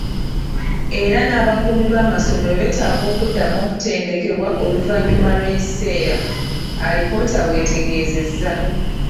"Era n'abakuumi b'amakomera beetaaga okuddamu okutendekebwa oluvannyuma lw'ekiseera,” Alipoota bw'etegeezezza.